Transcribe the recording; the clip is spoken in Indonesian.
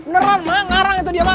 ngerang ma ngarang itu dia ma